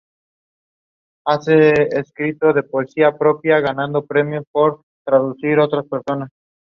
A colon is the preferred time separator.